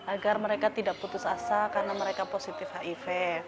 agar mereka tidak putus asa karena mereka positif hiv